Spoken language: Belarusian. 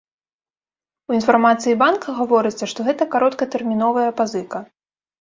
У інфармацыі банка гаворыцца, што гэта кароткатэрміновая пазыка.